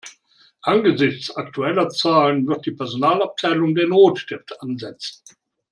Angesichts aktueller Zahlen wird die Personalabteilung den Rotstift ansetzen.